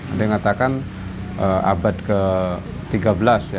ada yang katakan abad ke tiga belas ya